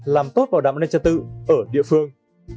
làm tốt bảo đảm an ninh trật tự ở địa phương